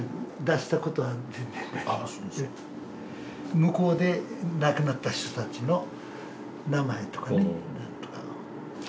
向こうで亡くなった人たちの名前とかね何とかの。